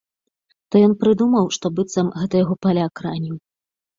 То ён прыдумаў, што быццам гэта яго паляк раніў.